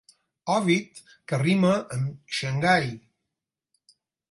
Òvid que rima amb Xangai.